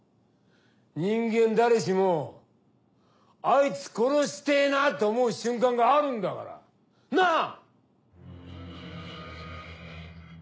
人間誰しもあいつ殺してぇなって思う瞬間があるんだからなぁ！